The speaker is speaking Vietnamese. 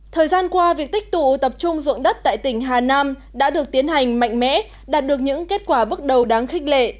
thời gian qua việc tích tụ tập trung dụng đất tại tỉnh hà nam đã được tiến hành mạnh mẽ đạt được những kết quả bước đầu đáng khích lệ